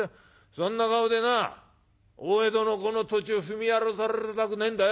そんな顔でなお江戸のこの土地を踏み荒らされたくねえんだよ」。